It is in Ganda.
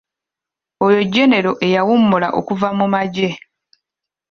Oyo genero eyawummula okuva mu magye.